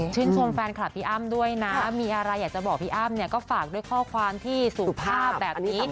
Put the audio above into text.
ชมแฟนคลับพี่อ้ำด้วยนะมีอะไรอยากจะบอกพี่อ้ำเนี่ยก็ฝากด้วยข้อความที่สุภาพแบบนี้